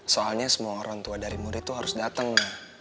soalnya semua orang tua dari murid tuh harus dateng ma